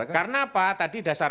karena apa tadi dasar